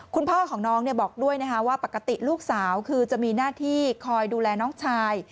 คุณพ่อของน้องบอกด้วยนะคะว่าปกติลูกสาวคือจะมีหน้าที่คอยดูแลน้องชาย